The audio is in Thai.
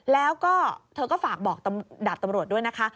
แล้วก็เธอก็ฝากบอกดาบตำรวจด้วยนะคะ